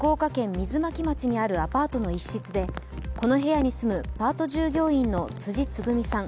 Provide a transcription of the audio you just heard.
水巻町にあるアパートの一室でこの部屋に住むパート従業員の辻つぐみさん